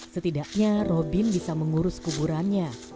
setidaknya robin bisa mengurus kuburannya